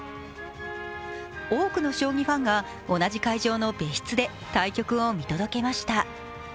多くの将棋ファンが同じ会場の別室で対局を見届けました。